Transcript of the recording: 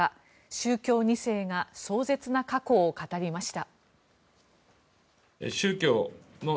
宗教２世が壮絶な過去を語りました。